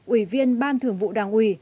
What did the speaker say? ủy viên ban thưởng vụ đảng ủy